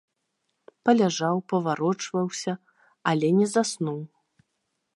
Паляжаў, паварочаўся, але не заснуў.